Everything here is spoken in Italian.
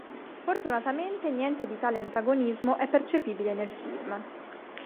Fortunatamente, niente di tale antagonismo è percepibile nel film.